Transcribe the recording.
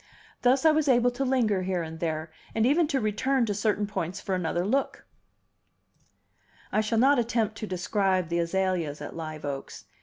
Thus I was able to linger here and there, and even to return to certain points for another look. I shall not attempt to describe the azaleas at Live Oaks.